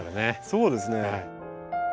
そうですね。